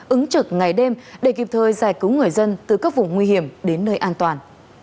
ứng trực ngày đêm để kịp thời giải cứu người dân từ các vùng nguy hiểm đến nơi an toàn